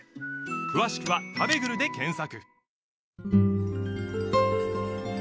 詳しくは「たべぐる」で検索